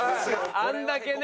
あんだけね。